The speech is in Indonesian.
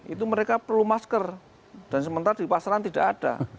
itu mereka perlu masker dan sementara di pasaran tidak ada